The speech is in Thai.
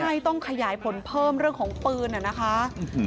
ใช่ต้องขยายผลเพิ่มเรื่องของปืนนะคะ